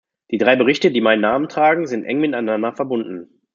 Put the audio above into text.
Die drei Berichte, die meinen Namen tragen, sind eng miteinander verbunden.